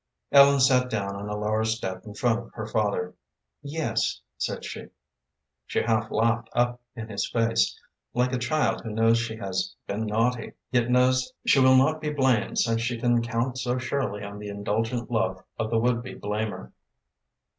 Ellen sat down on a lower step in front of her father. "Yes," said she. She half laughed up in his face, like a child who knows she has been naughty, yet knows she will not be blamed since she can count so surely on the indulgent love of the would be blamer.